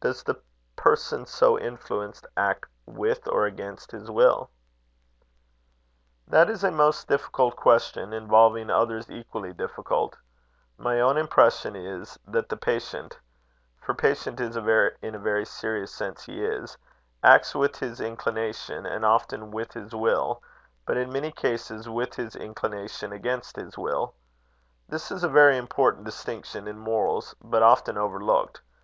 "Does the person so influenced act with or against his will?" "That is a most difficult question, involving others equally difficult. My own impression is, that the patient for patient in a very serious sense he is acts with his inclination, and often with his will; but in many cases with his inclination against his will. This is a very important distinction in morals, but often overlooked.